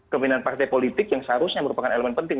keminan partai politik yang seharusnya merupakan elemen penting